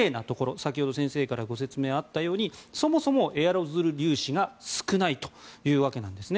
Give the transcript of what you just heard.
先ほど先生からご説明があったようにそもそもエアロゾル粒子が少ないというわけなんですね。